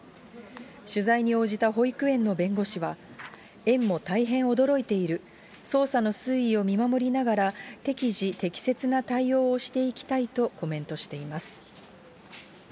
取材に応じた保育園の弁護士は、園も大変驚いている、捜査の推移を見守りながら、適時適切な対応をしていきたいとコメントしています。